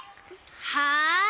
はい！